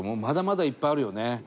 まだまだ、いっぱいあるよね。